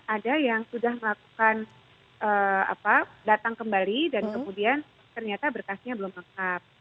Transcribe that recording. ada yang sudah melakukan datang kembali dan kemudian ternyata berkasnya belum lengkap